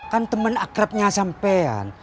kan temen akrabnya sampean